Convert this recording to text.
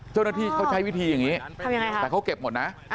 เจ้าหน้าที่เขาใช้วิธีอย่างงี้ทำยังไงค่ะแต่เขาเก็บหมดน่ะอ่า